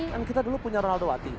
kan kita dulu punya ronaldo wati